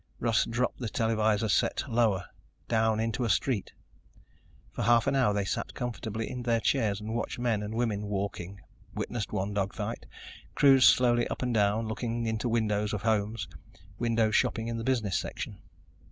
Russ dropped the televisor set lower, down into a street. For half an hour they sat comfortably in their chairs and watched men and women walking, witnessed one dog fight, cruised slowly up and down, looking into windows of homes, window shopping in the business section.